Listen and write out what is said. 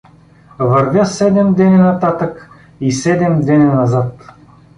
Вървя седем деня нататък и седем деня назад.